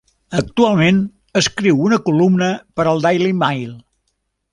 Actualment escriu una columna per al "Daily Mail".